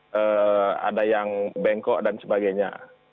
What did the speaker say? jadi ada yang bengkok dan sebagainya